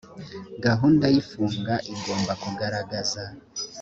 gahunda y ifunga igomba kugaragaza